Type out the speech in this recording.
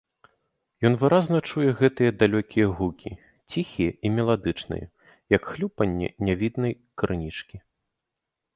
Ён выразна чуе гэтыя далёкія гукі, ціхія і меладычныя, як хлюпанне нявіднай крынічкі.